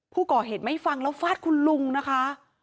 ผู้ก่อเหตุไม่ฟังแล้วฟาดคุณลุงนะคะ